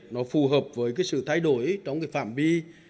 nó phù hợp với cái sự thay đổi trong cái phạm vi